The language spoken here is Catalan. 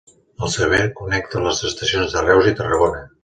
El servei connecta les estacions de Reus i Tarragona.